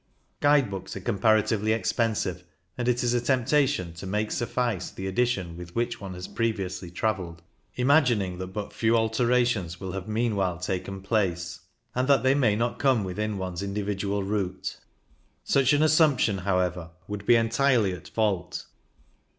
Guide books are comparatively expensive, and it is a temptation to make suffice the edition with which one has previously travelled, imagining that but few alterations will have meanwhile taken place, and that they may not come within one's individual route. Such an assumption, however, would be entirely at fault.